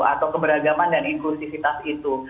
atau keberagaman dan inklusifitas itu